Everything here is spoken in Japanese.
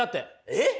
えっ！？